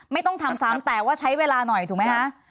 ไม่ต้องทำซ้ำแต่ว่าใช้เวลาหน่อยถูกไหมคะ